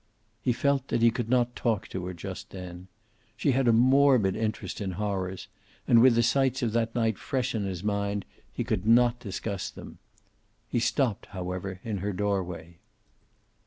He felt that he could not talk to her just then. She had a morbid interest in horrors, and with the sights of that night fresh in his mind he could not discuss them. He stopped, however, in her doorway.